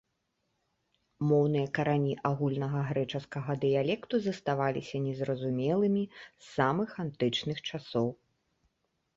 Моўныя карані агульнага грэчаскага дыялекту заставаліся незразумелымі з самых антычных часоў.